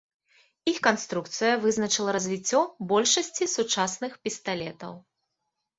Іх канструкцыя вызначыла развіццё большасці сучасных пісталетаў.